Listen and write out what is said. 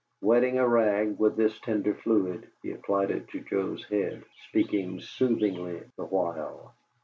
Wetting a rag with this tender fluid, he applied it to Joe's head, speaking soothingly the while.